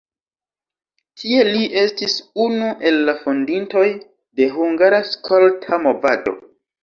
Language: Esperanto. Tie li estis unu el la fondintoj de hungara skolta movado.